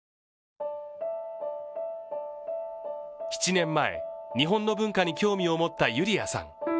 ７年前、日本の文化に興味を持ったユリヤさん。